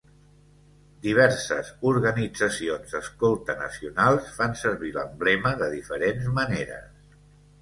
Diverses organitzacions Escolta nacionals fan servir l'emblema de diferents maneres.